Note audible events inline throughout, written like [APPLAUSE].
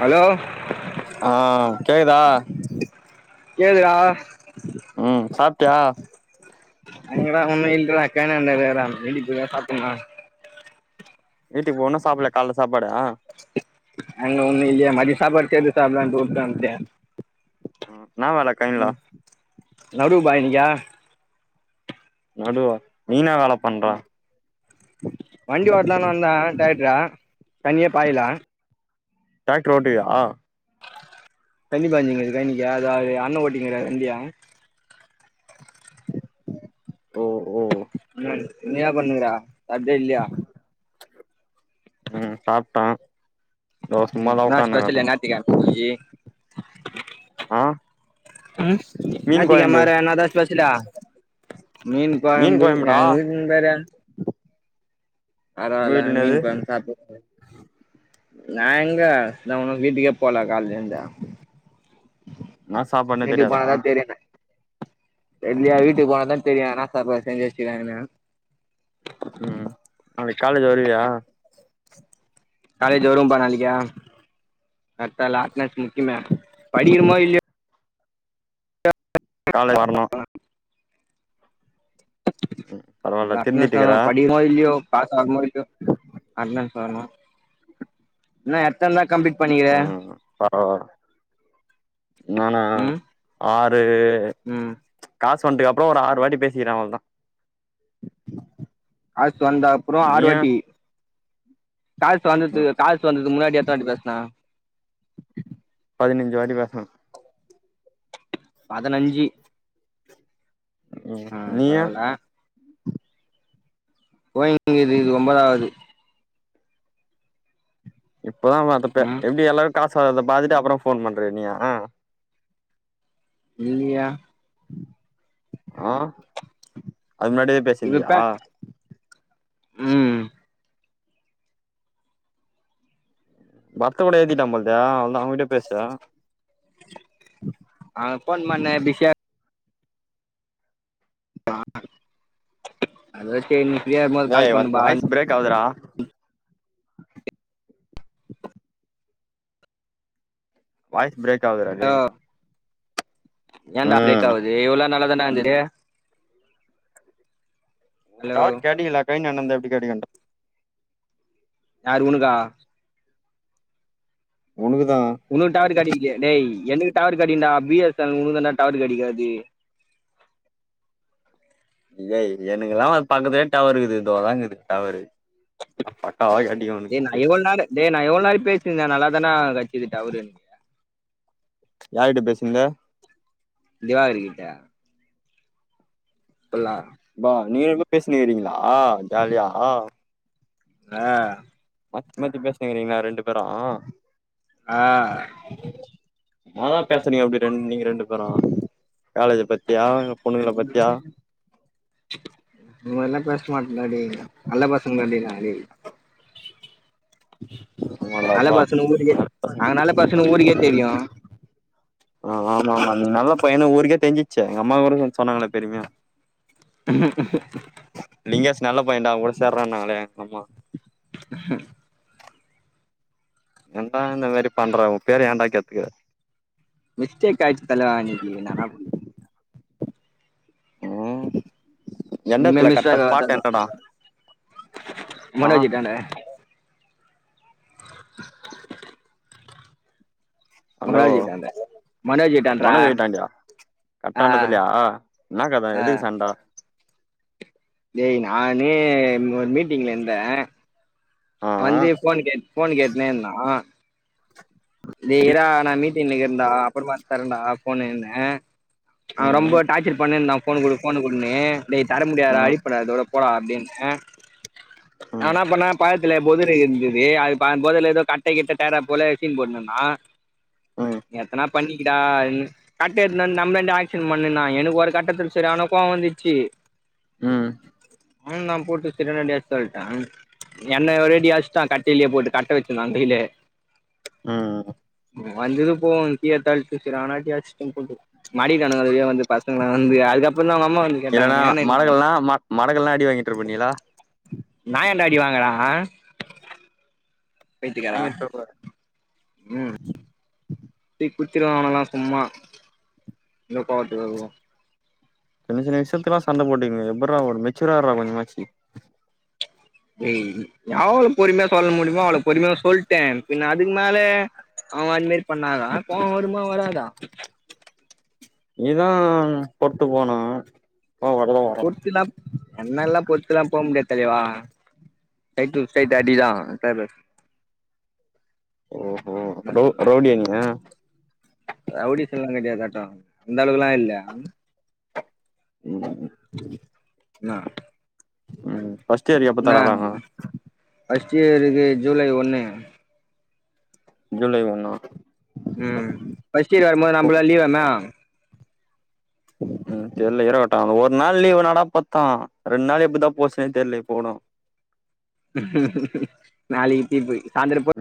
hello ஆஹ் கேக்குதா கேதுரா ம் சாப்ட்டியா [UNINTELLIGIBLE] வேனான்டா வேறான் வீட்டுக்கு பொய்தா சாப்புட்னு வீட்டுக்கு போவண்ணு சாப்பிடல கால்ல சாப்பாடா அங்க ஒண்ணு இல்லையா மதியொ சாப்பாடு சேந்து சாப்புட்லான்ட்டு உட்டு வன்ட்யா நா [UNINTELLIGIBLE] நடுபாய் நிகா நடுவா நீ எனா வேல பண்ற வண்டி ஓட்லான்னு வந்தே அனா [UNINTELLIGIBLE] தனிய பாயலா டிராக்டர் ஓட்டிவியா தண்ணிப்பான்சிங்க கைனிக்கு அதாவது அண்ணன் ஓட்டின்க்கிறாரு வண்டியா ஓ ஓ உம் நீ ஏ பண்ணுங்கற சப்ட்டீயா இல்லையா உம் சாப்ட்ட என்னா ஸ்பெசலு ஞாயித்துகெழமைக்கி ஆ அ மீன் ஞாயத்துகெழம கொழம்பு வேற என்னதா ஸ்பெசலு மீன் கொழம்பு எங்க வீட்ல வேற உங்க பறவால வீட்ல என்னது மீன் கொழம்பு சாப்ட் ந எங்க த உன் வீட்டுக்கே போல காலந்து என்னா சாப்பாடுனே [UNINTELLIGIBLE] தெரியாதா பனாதா தெரியுமே தெர்ல்லையே வீட்டுக்கு போனதா தெரிய ன்னா சாப்பாடு செஞ்சு வெச்சுருக்காங்கன்னு உம் நாளைக்கி காலேஜ் வருவியா காலேஜ் வரும்ப்பா நாளைக்கி [UNINTELLIGIBLE] லாஸ்ட் நாளு முக்கியமே படிகிறமோ இல்லையோ காலை வரணு அந்த பரவால்ல அட்னஸ் திருந்திட்டுக்கிற தான படிக்கிறமோ இல்லையோ பாத்தே வரும்போது ஆ நீதா அத சொல்லனு என்னு எத்தன தா கம்ப்ளிட் உம் பரவால்ல நானா ம் ஆறு ம் காசு வண்டுக்கு அப்புறோ ஒரு ஆறு வாட்டி பேசிக்கிற அவளோ தா காசு வந்தப்புறோ ஆறுவாட்டி காசு வந்தது காசு வந்ததுக்கு முன்னாடி எத்தனவாட்டி பேசுனா பதினஞ்சு வாட்டி பேசணு பதனஞ்சி உம் நீயா பரவால்ல போய்ங்குது இது ஒம்பதாவுது இப்பதா வாத்தப்பே ம் எப்டி எல்லாரு காசு ப்பா அத பாதுட்டு அப்றோ ஃபோன் பண்றே நியா இல்லியா ஆ அது முனாடியே பேசிர்ந்தியா உம் பரத்தூட ஏத்திட்டா போல்து அவ்ல்தா அவங்கிட்டயே பேசு அவ ஃபோன் பண்ணே பிஷ்யா மா [INAUDIBLE] அதா சேர்னு டேய் வாத் வாய்ஸ் ப்ரேக் ஆவுத்டா வாய்ஸ் ப்ரேக் ஆவ்துடா டேய் ஏன்டா ப்ரேக் ம் ஆவுது இவ்ளோ நாளா தான்டாருந்து டாட் கேண்டி லாகைன் என்னந் தப்டி கடிகண்ட [UNINTELLIGIBLE] யாரு உனக்கா உனக்குதா உன்னுக்கு டவரு காடைக்கலய டேய் என்னக் டவர் காடைக்கும்டா பி எஸ் எண்ல் உனக்தான்டா டவர் கெடைகாது ஏய் எனக்குலா வ பக்கதுலயே டவருக்குது இதோங்தாக்குது டவரு பக்காவா கெடைக்கு டே நா உனக்கு எவ்ளொ நேர டே நா எவ்ளொ நேர பேசிட்ருந்தே நல்லாாதானடா கெட்சுது டவரு யார்கிட்ட பேச்ருந்த திவாகர் கிட்ட பல்லா நீ ரென்பேரு பேச்னுர்கீங்ளா ஜாலியா ஆ மாத்தி மாத்தி பேச்னுர்கீங்ளா ரெண்டு பேரு ஆ நாதா பேசனயோ அப்டி ரெண் நீங்க ரெண்டு பேரு காலேஜ பத்தியா பொண்ணுங்கள பத்தியா இல்ல அந் மார்லா பேச ச்மாட்ன்டா டேய் நல்ல பசங்கந்தாடி நா அடேய் உ நல்ல பசன்னு ஊருக்கே நாங்க நல்ல பசன்னு ஊருக்கே தெரியு ஆ ஆமா ஆமா நீ நல்ல பையனு ஊருக்கே தெரிஞ்சிச்ச எங்க அம்மா கூட சொன்னாங்களா பெருமையா ஹ லிங்கேஷ் நல்ல பயடா உன் கூட சேர்ற சொன்னாங்க எங்க அம்மா அஹ என்டா இந்த மாரி பண்ற உன் பேர் ஏண்டா கேத்துக்குற மிஸ்டேக் ஆய்த்ததலவ அன்னக்கி [UNINTELLIGIBLE] ஆ ஆ [UNINTELLIGIBLE] ஹ ம் ஹலோ மனோஜ் கிட்டாண்ட்றா மனோஜ் வீட்டாண்டியா ஆ கட்டாண்டத்திலியா என்னா கத ஆ எதுக்கு சண்ட டேய் நானே ஒரு மீட்டிங்ல இருந்தே ஆ வந்து ஃபோன் கேட் ஃபோன் கேட்டுன்னே இருந்தா டேய் இருடா நா மீட்டிங்ல இருக்கிறேன்டா அப்பறமா எடுத்து தரேன்டா போன்னேன்ன ம் அவன் ரொம்ப ம் டார்ச்சர் பண்ணிருந்தா ஃபோனு குடு ஃபோன் குடுன்னு டேய் தர முடியாது ம் வெய்ட் பண்ணாதடா ஓ அப்டின்ன நா என்னா பண்ண பழஸ் [UNINTELLIGIBLE] டேய் அது பக்க ஏதோ கட்ட கிட்ட எடுறா போல சீன் போட்டுன்னுருந் ஆ ம் எத்தன பண்ணிக்கடா கட்டைய எடுத்து நம்லாண்டையே ஆக்ஷன் பண்ணுன்னா எனக்கு கட்ட [UNINTELLIGIBLE] செர்யான கோவ வந்துருச்சி ம் ஆ நா போட்டு செரியான டேட்டு சொல்ட்டா என்னைய ஒரேயடி அடிச்சுட்டா கட்டியிலியே போட்டு கட்ட வச்சுருந்தா கையில ம் ம் வந்தது போவோ இப்பயே [UNINTELLIGIBLE] சேரி அனாதையா அடிச்சிடீங்க [UNINTELLIGIBLE] மாத்திக்கிட்டானுங்க அது வழியா வந்து பசங்கள வந்து அதுக்கப் இல்லன்னா மடக்கலனா மடக்கலனா அடி வாங்கிட்டு இருப்ப நீயெல்லா நா ஏன்ட அடி வாங்கற ஆ வாங்கிட் [UNINTELLIGIBLE] ம் [UNINTELLIGIBLE] அவனுங்கெல்லா சும்மா [UNINTELLIGIBLE] சின்ன சின்ன விஷயத்துக்கெல்லா சண்ட போட்டீங்க எப்புட்றா மெச்சூரா இருடா கொஞ்சமாச்சு [UNINTELLIGIBLE] எவ்ளோ பொறுமையா சொல்ல முடியுமோ அவ்ளோ பொறுமையா சொல்ட்டே பின்ன அதுக்கு மேல அவன் அந் மாரி பண்ணாதா கோவ வருமா வராதா நீதா பொறுத்துப் போனா ஆ பொறுத்தெல்லா என்னாலலா பொறுத்தெல்லா போ முடியாது வா [UNINTELLIGIBLE] ஸ்ட்ரைட்டா அடிதா [UNINTELLIGIBLE] ஓஹோ ரவ் ரவுடியா நீங்க ரவுடி [UNINTELLIGIBLE] அந்தளவுக்கெல்லா இல்ல ம் நா ம் ஃபர்ஸ்ட் [UNINTELLIGIBLE] எப்ப தரலாங்க ஃபர்ஸ்ட் இயர்க்கு ஜூலை ஒன்னு ஜூலை ஒன்னா உம் ஃபர்ஸ்ட் இயர் வரும்போது நம்பளாம் லீவு என்ன உம் தெரியல இருக்கட்டோ ஒர் நாள் லீவு என்னடா பத்தும் ரெண்டு நாள் எப்டிதா போச்சுன்னே தெர்ல இப்பகோடோ நாளைக்கு தீர்ப்பு சாயந்திரப்போ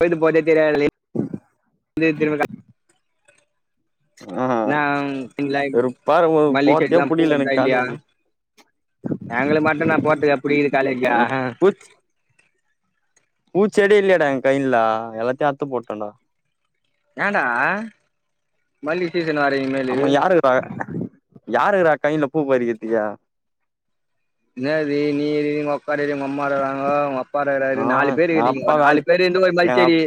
போயிட்டு போது [UNINTELLIGIBLE] ஆஹ் ஒரு வெருப்பாருக்கு மல்லி போறத்திக்கே செடிலா புடிகில எனக்கு காலேஜி ஏங்களுக்கு மட்டுனா போர்துகா புடிக்குது காலேஜீய அக்ஹ பூச் பூச்செடி இல்லையேடா எங்க கைய்னில எல்லாத்தையு அறுத்து போட்டன்டா ஏன்டா மல்லி சீசன் வர இனிமேலு ஆமா யாரு இருக்குற யாருறுக்கா கையினில பூப்பறிக்கர்துக்கு நேது நீ இருக்குர உங்கக்கா இருக்குது உங்க அம்மா இருக்குறாங்கோ உங்க நா அப்பாயிருக்குறாரு நாலு பேரு எங்க இருக்குறீங்கோ அப்பா நாலு வேல பேரு இருந்து ஒரு மல்லி எங்க செடி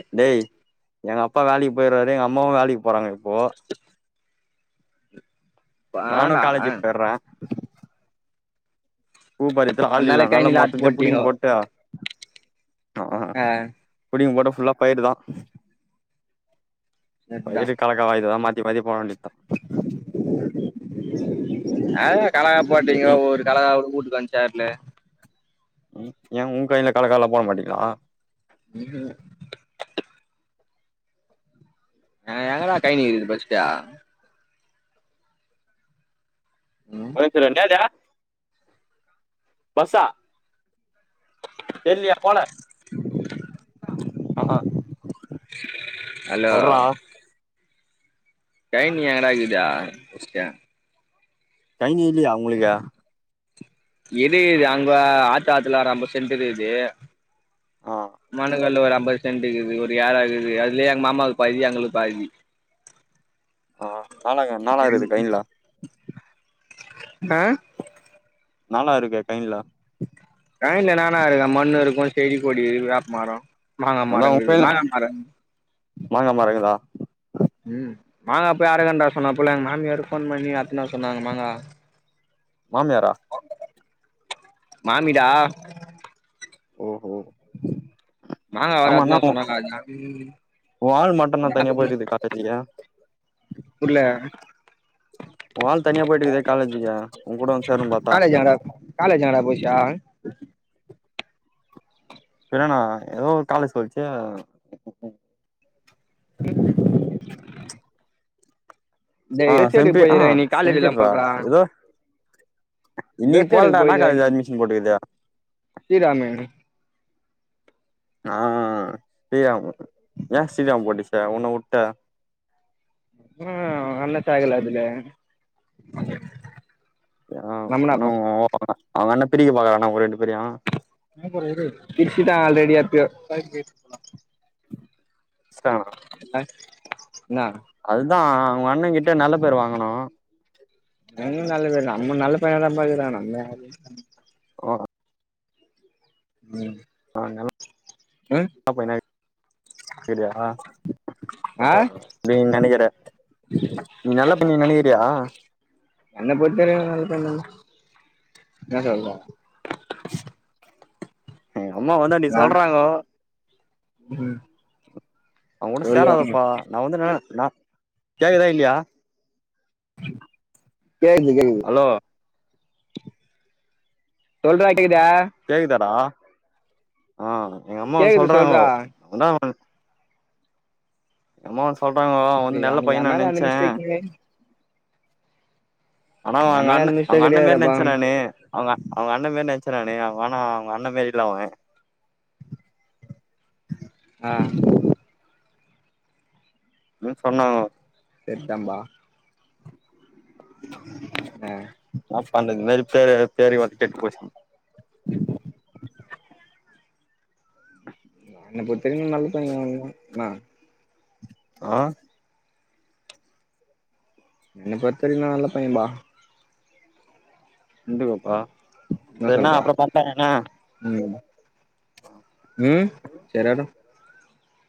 போயிருவாரு எங்க அம்மாவு வேலைக்கு போறாங்க இப்போ நானும் வேண்டா காலேஜிக்கு போயிற்றே பூ பறிக்கற்துக்குலா ஆள் இல்ல அதனால கைனில ஆத்து மொத்தத்தையு புடிங்கி போட்டீங்கோ போட்டு ஆஹ் ஆ புடிங்கி போ ஃபுல்லா பயிர்தா அதா பயிறு கலகவா இதெல்லா மாத் இத்மாரியே போவ்வேண்டிதா [INAUDIBLE] அ எங்க கலக்கா போட்டீங்கோ நீ ஒரு கலக்கா கூட ஊட்டுக்கு வந்துச் வர்ல ம் ஏன் உங் கயின்ல காலக்காலா போட மாட்டீங்களா ம் ஹூம் ஆஹ் எங்கடா கைய்னீ கீது ஃபர்ஸ்டே ம் உனக்கு ரெண்டாவுதே பஸ்ஸா தெர்லியே போல அஹ் அஹா [UNINTELLIGIBLE] ஹலோ டைம் எங்கடாகிது ஃபஸ்ட்டு தண்ணி இல்லியா உங்களுக்கு எது இது அங்குவ ஆத் ஆத்துலா ஒரு அம்பத் சென்ட் இருக்குது ஆ மனகல்லு ஒரு அப் அம்பத் சென்டுக்குது ஒரு யாராகுது அதுலயே எங் மாமாவுக்கு பாதி எங்களுக் பாதி நாளாக நாலாயிருது கய்ன்லா நா நாலாயிருக்கா கயின்ல கயின்லா என்னானருக்கு மண்ணு இருக்கு செடி கொடி இருக் வேப்மாரொ மாங்கா மரொங்கீது மாங்கா மர மாங்காமரொ இகுதா ம் மாங்கா போய் அறக்கன்டா சொன்னாப்புல எங்க மாமியார் போன் பண்ணி அறுத்னு வர சொன்னாங்க மாங்கா மாமியாரா மாமிடா ஓகோ மாங்க வேற அற்த்னு வர சொன்னாங்க உன் ஆள் மட்டுந்தா தனியா அதா போயிட்டுக்குது காலேஜுக்கு புர்ல உ ஆள் தனியா போயிட்டுக்குதே காலேஜுக்கு உன் கூட வந்து சேருன்னு பாத்தா காலேஜ் எங்கடா காலேஜ் எங்கடா போச்சா பினனா ஏதோ ஒரு காலேஜ் சொல்ச்சே ம் [INAUDIBLE] ஆ டேய் ட்ரெஸ் எடுக் செம்பி ஆ போய்க்குதுடா இன்னைக் காலேஜில்ல போல்றா இன்னைக்கி போல்டா என்னா காலேஜ் அட்மிஷன் போட்டுக்குது ஸ்ரீராமு ஆஹ் சீராமு ஏன் சீராம் போட்டுச்சி உன்ன உட்டு ஆஹ் அண்ண சேகல அதுல தி ஆ நோ ரமணாப்பா பக்கட அவங்கண்ண பிரிக்க பாக்கரானா ஒங்க ரெண்டு பேரயு பிரிச்சிட்டா ஆல்ரெடி அத் [UNINTELLIGIBLE] பிரிச்சிட்டாங்கண்ணா அ என்னா அதுதா ஓ அண்ணங்கிட்ட நல்ல பேர் வாங்கனு உன் நல்ல பேர் தா நம்ம நல்ல பையனாதாம்பா இருக்குறொ நம்ம யாரு [UNINTELLIGIBLE] ம் நெலொ ஆ [UNINTELLIGIBLE] நீ நெனைக்கிற நீ நல்ல பயனு நீ நெனைக்கிறியா என்ன பொறுத்த வரியு நா நல்ல பைய தாண்ணா என்ன சொல்ற அ அம்மா வந்து அன்னிக்கு சொல்றங்கோ ம் அவங் கூட சேராதப்பா நா வந்துண்ண நா கேக்குதா இல்லியா [INAUDIBLE] கேக்து கேக்குது ஹலோ சொல்றா கேக்குதா கேக்தாடா ஆஹ் எங்கம்மா வந்து கேக்குது சொல்றாங்கோ சொல்றா அவ தா [UNINTELLIGIBLE] [UNINTELLIGIBLE] அம்மா வந் சொல்றாங்கோ அவ வந்து டேய் நல்ல அன்னைக்கு பையன் என் நா மேல அந்த நென்ச்சே மிஸ்டேக்கு ஆனா என் அவங் மேல அண்ண அந்த அவங் மிஸ்டேக் அண்ண மேர் கெடையாதுடாப்பா நெனச்சே நானு அவங்க அவங் அண்ண மேரி நெனச்ச நானு ஆனா அவங் அண்ண மேரி இல்ல அவ ஆஹ் னு சொன்னாங்கோ செர் தாம்பா [INAUDIBLE] த [UNINTELLIGIBLE] மேரி போய்ராத [UNINTELLIGIBLE] ஒரே வாட்டி கேட்டு போச்சுண்ணா என்ன பொறுத்த வரியு நல்ல பைய [UNINTELLIGIBLE] என்ன ஆஹ் என்ன பொறுத்த வரியு நா நல்ல பையம்பா [UNINTELLIGIBLE] ப்பா என்ன செரிண்ணா சொல்ற அப்றோ பாக்லா என்ன உம் சரியாய்டு